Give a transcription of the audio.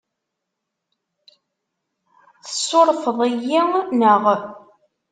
Tessurfeḍ-iyi, naɣ?